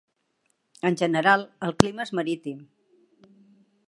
En general, el clima és marítim.